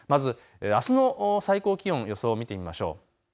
あすの最高気温の予想を見ていきましょう。